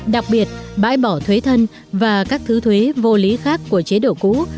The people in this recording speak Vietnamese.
đặc biệt bãi bỏ thuế thân và các thứ thuế vô lý khác của chế độ cũ